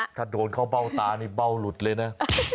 โหถ้าโดนเข้าเป้าตาระเนี่ยเป้าหลุดเลยนะ